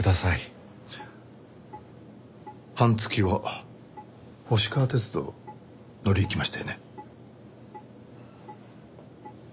半月後星川鐵道乗りに行きましたよね？